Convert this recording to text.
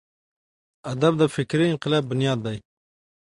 ادب د فکري انقلاب بنیاد دی.